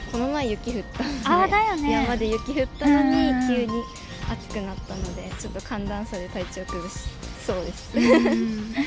雪降ったのに、急に暑くなったので、ちょっと寒暖差で体調崩しそうです。